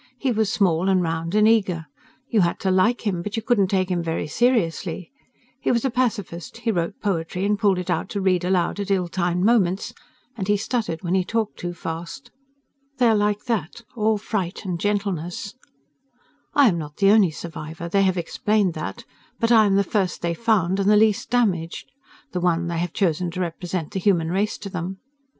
He was small and round and eager. You had to like him, but you couldn't take him very seriously. He was a pacifist; he wrote poetry and pulled it out to read aloud at ill timed moments; and he stuttered when he talked too fast. They are like that, all fright and gentleness. I am not the only survivor they have explained that but I am the first they found, and the least damaged, the one they have chosen to represent the human race to them.